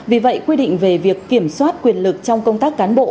vì vậy quy định về việc kiểm soát quyền lực trong công tác cán bộ